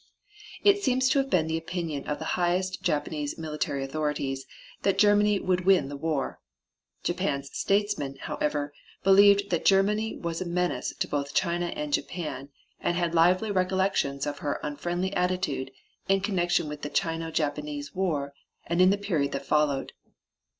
It seems to have been the opinion of the highest Japanese military authorities that Germany would win the war. Japan's statesmen, however, believed that Germany was a menace to both China and Japan and had lively recollections of her unfriendly attitude in connection with the Chino Japanese war and in the period that followed.